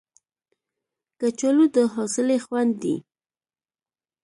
کچالو د حوصلې خوند دی